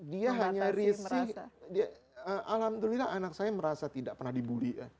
dia hanya riset alhamdulillah anak saya merasa tidak pernah dibully